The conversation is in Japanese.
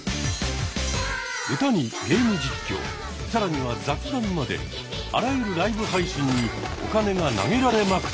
歌にゲーム実況更には雑談まであらゆるライブ配信にお金が投げられまくっている。